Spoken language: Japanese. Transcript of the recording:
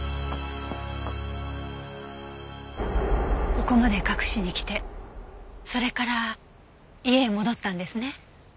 ここまで隠しに来てそれから家へ戻ったんですね？